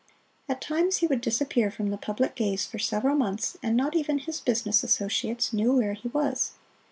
At times he would disappear from the public gaze for several months, and not even his business associates knew where he was.